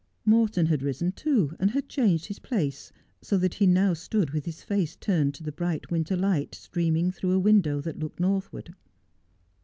Morton had risen too, and had changed his place, so that he now stood with his face turned to the bright winter light, streaming through a window that looked northward.